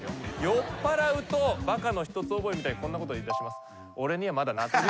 酔っぱらうとバカの一つ覚えみたいにこんなこと言いだします。